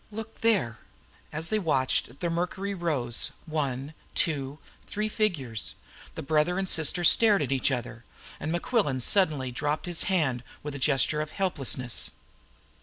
Look there!" As they watched the mercury rose one, two, three figures. The brother and sister stared at each other. And Mequillen suddenly dropped his hand with a gesture of helplessness.